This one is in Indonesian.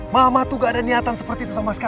mama tuh gak ada niatan seperti itu sama sekali